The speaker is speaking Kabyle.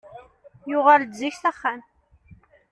Yuɣal-d zik s axxam.